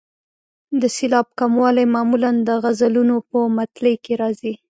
د سېلاب کموالی معمولا د غزلونو په مطلع کې راځي.